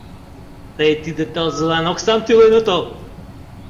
— Тый тиде тылзылан оксам тӱлен отыл.